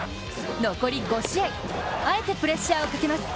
残り５試合、あえてプレッシャーをかけます。